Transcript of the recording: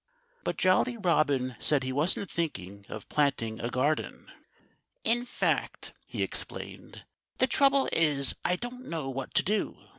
But Jolly Robin said he wasn't thinking of planting a garden. "In fact," he explained, "the trouble is, I don't know what to do.